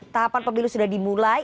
tahapan pemilu sudah dimulai